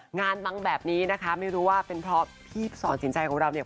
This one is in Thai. มังแบบนี้นะคะไม่รู้ว่าเป็นเพราะพี่สอนสินใจของเราเนี่ย